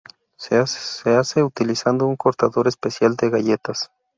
Se hace utilizando un cortador especial de galletas.